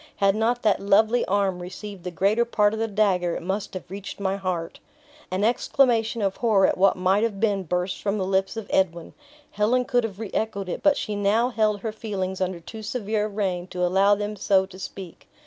Had not that lovely arm received the greater part of the dagger, it must have reached my heart." An exclamation of horror at what might have been burst from the lips of Edwin. Helen could have re echoed it, but she now held her feelings under too severe a rein to allow them so to speak.